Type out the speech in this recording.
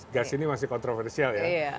gas ini masih kontroversial ya